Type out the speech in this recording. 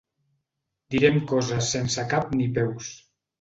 Direm coses sense cap ni peus.